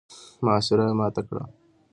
محاصره يې ماته کړه.